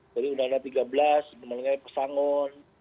dari undang undang tiga belas mengenai pesangon